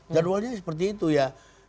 jadwalnya seperti itu ya